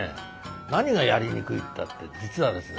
何がやりにくいったって実はですね